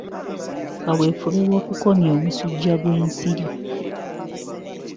Kaweefube w'okukomya omusujja gw'ensiri